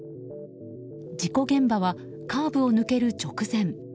事故現場はカーブを抜ける直前。